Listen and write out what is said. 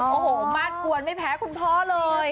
โอ้โหมาดกวนไม่แพ้คุณพ่อเลย